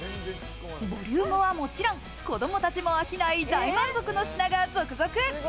ボリュームはもちろん、子供たちも飽きない大満足の品が続々！